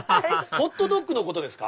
ホットドッグのことですか？